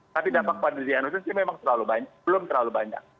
tapi dampak pada diagnosis ini memang terlalu banyak belum terlalu banyak